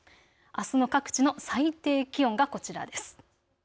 あすの各地の最低気温がこちらです。